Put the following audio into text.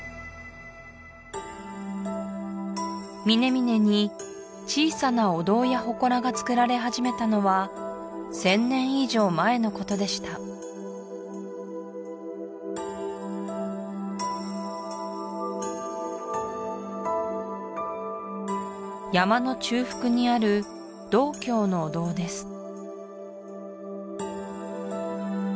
峰々に小さなお堂やほこらがつくられ始めたのは１０００年以上前のことでした山の中腹にある道教のお堂です